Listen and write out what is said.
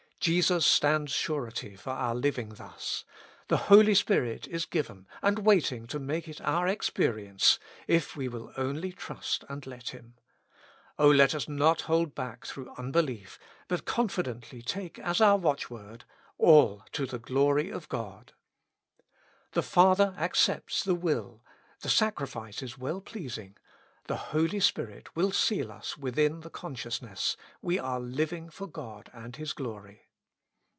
Jesus stands surety for our living thus; the Holy Spirit is given, and waiting to make it our experience, if we will only trust and let Him ; O let us not hold back through unbelief, but confidently take as our watchword— All to the glory of God ! The Father accepts the will, the sacrifice is well pleasing ; the Holy Spirit will seal us within the consciousness, we are living for God and His glory.